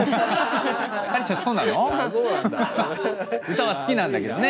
歌は好きなんだけどね。